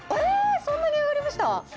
そんなに上がりました？